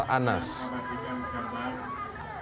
kepala daerah jawa timur